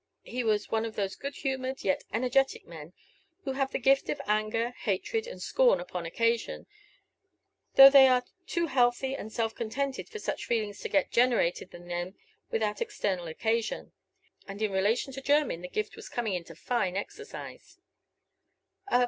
He was one of those good humored, yet energetic men, who have the gift of anger, hatred, and scorn upon occasion, though they are too healthy and self contented for such feelings to get generated in them without external occasion. And in relation to Jermyn the gift was coming into fine exercise.